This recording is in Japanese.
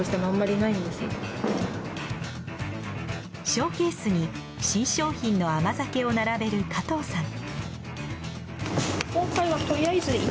ショーケースに新商品の甘酒を並べる加藤さん。